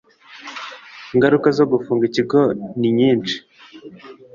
Ingaruka zo gufunga ikigo ninyishi.